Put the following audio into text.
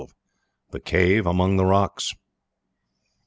THE CAVE AMONG THE ROCKS.